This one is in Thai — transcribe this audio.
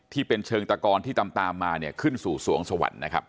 ที่เป็นเชิงตะกอนที่ตามมาเนี่ยขึ้นสู่สวงสวรรค์นะครับ